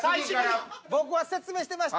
僕は説明してました。